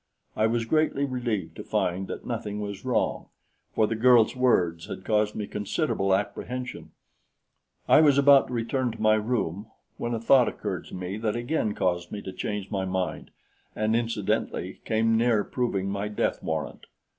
I was greatly relieved to find that nothing was wrong, for the girl's words had caused me considerable apprehension. I was about to return to my room when a thought occurred to me that again caused me to change my mind and, incidentally, came near proving my death warrant.